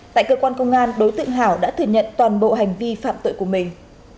tại cơ quan công an đối tượng hảo đã thừa nhận toàn bộ hành vi phạm tội của mình